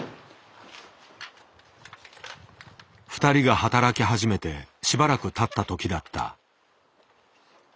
２人が働き始めてしばらくたった時だった。